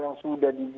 yang sudah disetujui